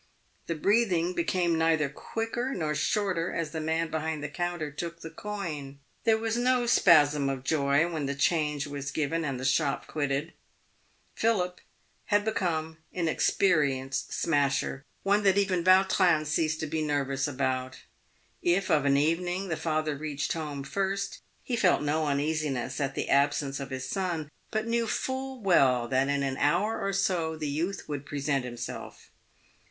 The breath ing became neither quicker nor shorter as the man behind the counter took the coin. There was no spasm of joy when the change was given and the shop quitted. Philip had become an experienced smasher — one that even Vautrin ceased to be nervous about. If of an evening the father reached home first, he felt no uneasiness at the absence of his son, but knew full well that in an hour or so the youth would present himself.